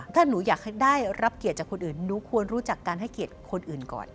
ถ้าหนูอยากได้รับเกียรติจากคนอื่นหนูควรรู้จักการให้เกียรติคนอื่นก่อน